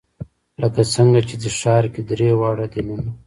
لکه څنګه چې دې ښار کې درې واړه دینونه.